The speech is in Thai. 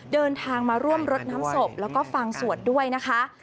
เดินทางมาร่วมรดน้ำศพแล้วก็ฟังสวดด้วยนะคะ